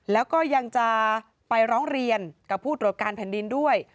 แล้วก็ยังจะไปร้องเรียนกับผู้ตรวจการแผ่นดินด้วย